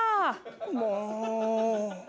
もう。